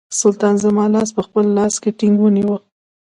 سلطان زما لاس په خپل لاس کې ټینګ ونیوی.